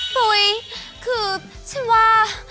ปุ๊ยคือฉันว่า